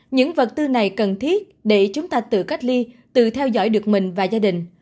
những vật tư này cần thiết để chúng ta tự cách ly tự theo dõi được mình và gia đình